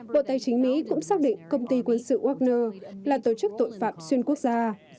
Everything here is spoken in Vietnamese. bộ tài chính mỹ cũng xác định công ty quân sự wagner là tổ chức tội phạm xuyên quốc gia